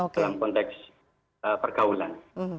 dalam konteks pergaulan